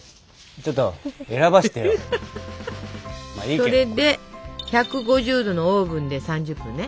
それで１５０℃のオーブンで３０分ね。